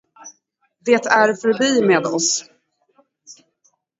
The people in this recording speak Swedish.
Det är förbi med oss.